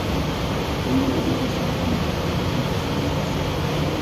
O único que consigo comer do porco son costeletas